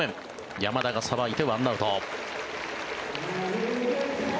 山田がさばいて１アウト。